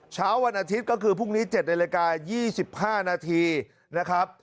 เช้าวันอาทิตย์ก็คือพรุ่งนี้๗นาฬิกา๒๕นาทีนะครับ